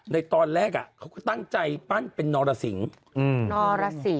ในตอนแรกเขาก็ตั้งใจปั้นเป็นนรสิงนรสิง